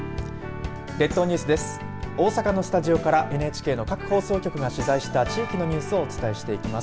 列島ニュースです。